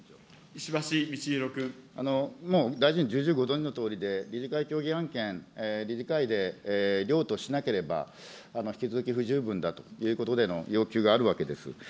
もう大臣、重々ご存じのとおりで、理事会協議案件、理事会で了としなければ引き続き不十分だということでの要求があるわけです。